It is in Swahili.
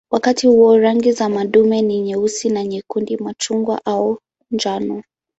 Wakati huo rangi za madume ni nyeusi na nyekundu, machungwa au njano.